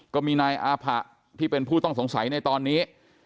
ก็มีนายอาผะที่เป็นผู้ต้องสงสัยในตอนนี้